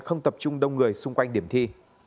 không tập trung đông người xung quanh điểm thi